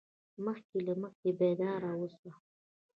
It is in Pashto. مخکې له مخکې بیدار اوسه.